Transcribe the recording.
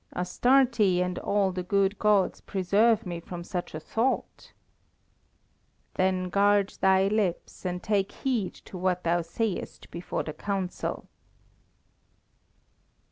"Astarte and all the good gods preserve me from such a thought." "Then guard thy lips, and take heed to what thou sayest before the Council."